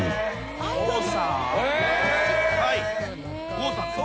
郷さんです。